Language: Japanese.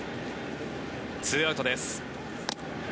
２アウトです。